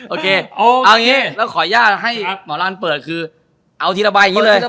โอเคแล้วขออนุญาตให้เหมารานเปิดคือเอาทีละใบคู่เลย